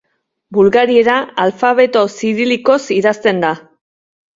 Bulgariera alfabeto zirilikoz idazten da.